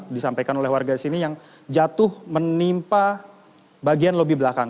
disampaikan oleh warga di sini yang jatuh menimpa bagian lobi belakang